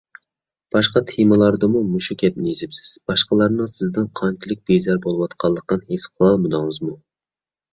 باشقا تېمىلاردىمۇ مۇشۇ گەپنى يېزىپسىز، باشقىلارنىڭ سىزدىن قانچىلىك بىزار بولۇۋاتقانلىقىنى ھېس قىلالمىدىڭىزمۇ؟